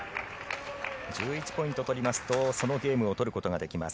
１１ポイント取りますとそのゲームを取ることができます。